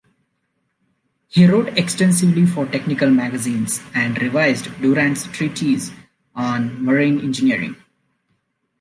He wrote extensively for technical magazines and revised Durand's treatise on "Marine Engineering".